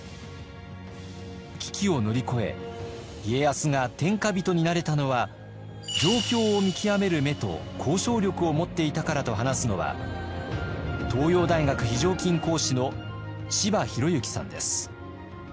危機を乗り越え家康が天下人になれたのは状況を見極める目と交渉力を持っていたからと話すのは東洋大学非常勤講師の柴裕之さんです。